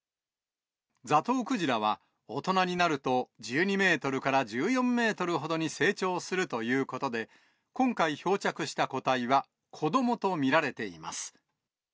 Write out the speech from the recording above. ザトウクジラは、大人になると１２メートルから１４メートルほどに成長するということで、今回漂着した個体は、子どもと見られています。